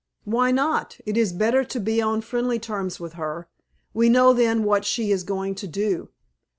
"Why not? It is better to be on friendly terms with her. We know then what she is going to do."